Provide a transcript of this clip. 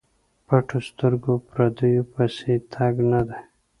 پټو سترګو پردیو پسې تګ نه دی.